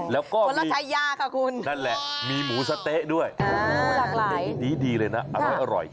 แล้วก็มีนั่นแหละมีหมูสะเต๊ะด้วยดีเลยนะอร่อย